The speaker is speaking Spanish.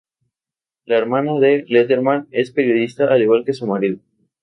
La hermana de Letterman es periodista, al igual que su marido.